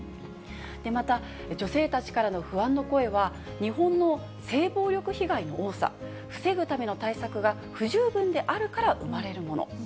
また、女性たちからの不安の声は、日本の性暴力被害の多さ、防ぐための対策が不十分であるから生まれるもの。